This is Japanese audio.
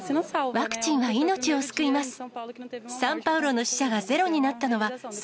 ワクチンは命を救います。